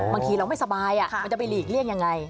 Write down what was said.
บางทีเราไม่สบายมันจะไปหลีกเลี่ยงยังไง